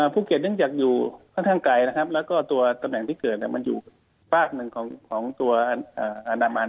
ภูเกตยังอยู่ค่อนข้างไกลแล้วตาแห่งที่เกิดอยู่อยู่บ้านหนึ่งของตัวอันดามัน